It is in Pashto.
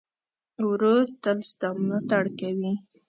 ورور تل ستا ملاتړ کوي.